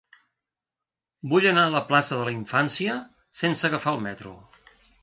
Vull anar a la plaça de la Infància sense agafar el metro.